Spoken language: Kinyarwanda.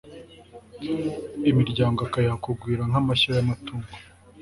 imiryango akayiha kugwira nk'amashyo y'amatungo